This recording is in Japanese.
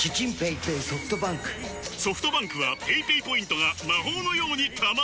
ソフトバンクはペイペイポイントが魔法のように貯まる！